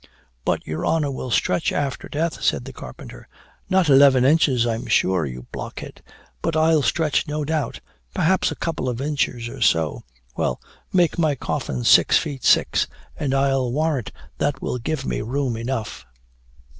'But your honor will stretch after death,' said the carpenter. 'Not eleven inches, I am sure, you blockhead! But I'll stretch, no doubt perhaps a couple of inches or so. Well, make my coffin six feet six, and I'll warrant that will give me room enough!'"